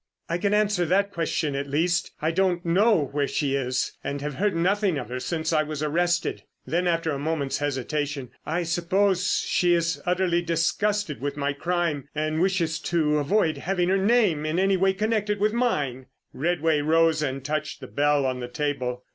"I can answer that question, at least. I don't know where she is, and have heard nothing of her since I was arrested." Then, after a moment's hesitation: "I suppose she is utterly disgusted with my crime, and wishes to avoid having her name in any way connected with mine!" Redway rose and touched the bell on the table.